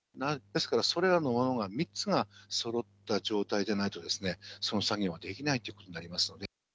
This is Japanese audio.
ですからそれらの湾は３つがそろった状態でないとその作業ができないということになりますので。